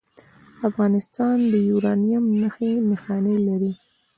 افغانستان د یورانیم نښې نښانې لري